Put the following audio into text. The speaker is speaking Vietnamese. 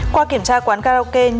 qua kiểm tra quán karaoke